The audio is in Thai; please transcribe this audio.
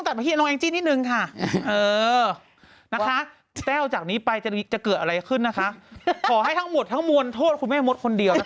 ตรงนี้ไปจะเกิดอะไรขึ้นนะคะขอให้ทั้งหมดทั้งม่วนโทษคุณแม่มดคนเดียว